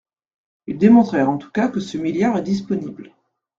Ils démontrent en tout cas que ce milliard est disponible.